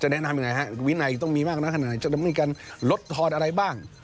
จะแนะนำอย่างไรครับวินัยต้องมีมากณขนาดไหนจะมีการลดทอดอะไรบ้าง